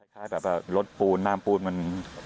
คล้ายแบบว่ารถปูนน้ำปูนมัน